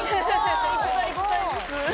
行きたい行きたいです。